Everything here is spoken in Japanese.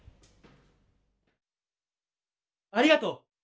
ありがとう！